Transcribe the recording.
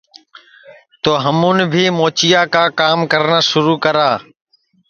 تو ہمون بھی موچیا کا کرنا سِرو کرا